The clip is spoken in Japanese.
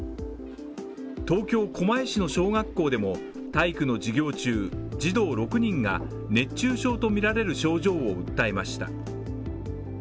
東京・狛江市の小学校でも体育の授業中、児童６人が熱中症とみられる症状を訴えました。